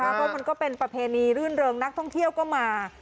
เพราะมันก็เป็นประเพณีรื่นเริงนักท่องเที่ยวก็มา